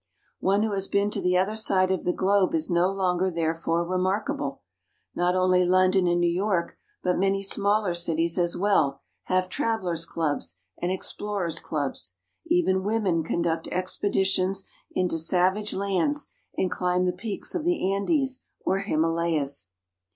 One who has been to the other side of the globe is no longer therefore remarkable. Not only London and New York, but many smaller cities as well, have Travelers' clubs and Explorers' clubs. Even women conduct expeditions into savage lands, and climb the peaks of the Andes or Himalayas.